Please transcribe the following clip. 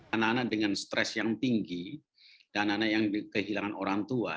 anak anak dengan stres yang tinggi dan anak anak yang kehilangan orang tua